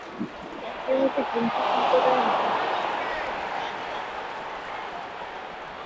এর মধ্যে হিন্দু সম্প্রদায়ের মানুষের বেশি।